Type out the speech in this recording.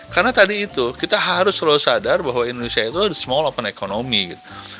karena tadi itu kita harus selalu sadar bahwa indonesia itu small open economy gitu